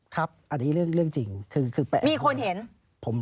ครับอันนี้เรื่องจริงคือมีคนเห็น